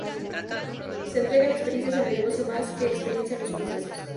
Se entrega experiencia en el negocio más que experiencia en los procesos.